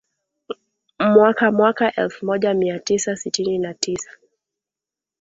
mwaka mwaka elfu moja mia tisa sitini na tisa